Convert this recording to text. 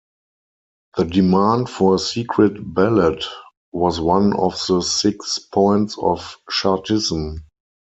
The demand for a secret ballot was one of the six points of Chartism.